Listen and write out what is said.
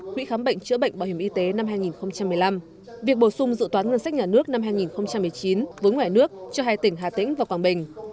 quỹ khám bệnh chữa bệnh bảo hiểm y tế năm hai nghìn một mươi năm việc bổ sung dự toán ngân sách nhà nước năm hai nghìn một mươi chín với ngoài nước cho hai tỉnh hà tĩnh và quảng bình